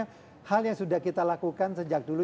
karena hal yang sudah kita lakukan sejak dulu